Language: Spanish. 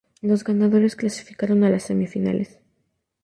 Los ganadores clasificaron a las semifinales.